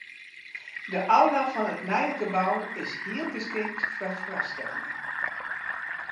De aula fan it nije gebou is hiel geskikt foar foarstellingen.